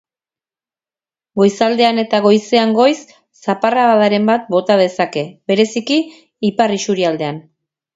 Goizaldean eta goizean goiz zaparradaren bat bota dezake, bereziki ipar isurialdean.